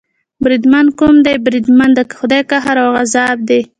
بریدمن، کوم دی بریدمن، د خدای قهر او غضب دې.